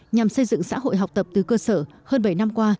nhằm xây dựng xã hội học tập từ cơ sở hơn bảy năm qua